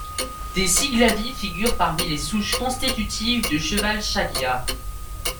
Des Siglavy figurent parmi les souches constitutives du cheval Shagya.